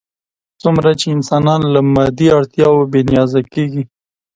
څومره چې انسان له مادي اړتیاوو بې نیازه کېږي.